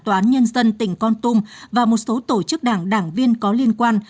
tòa án nhân dân tỉnh con tum và một số tổ chức đảng đảng viên có liên quan